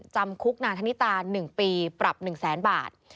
จำคุกนางธนิตา๑ปีปรับ๑แสนบาท